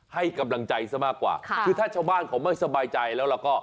ให้กำลังใจซะมากกว่าค่ะคือถ้าชาวบ้านเขาไม่สบายใจแล้วเราก็